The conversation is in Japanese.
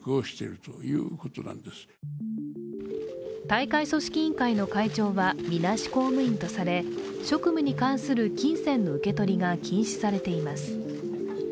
大会組織委員会の会長はみなし公務員とされ職務に関する金銭の受け取りが禁止されています。